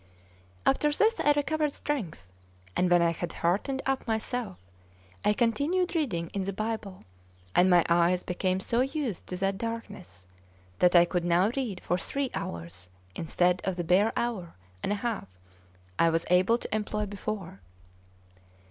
After this I recovered strength; and when I had heartened up myself, I continued reading in the Bible, and my eyes became so used to that darkness that I could now read for three hours instead of the bare hour and a half I was able to employ before.